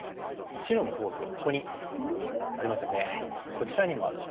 こちらにもある。